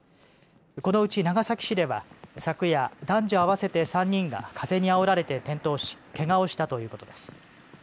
このうち長崎市では昨夜男女合わせて３人が風にあおられて転倒しけがをしたということです。